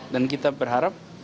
dan kita berharap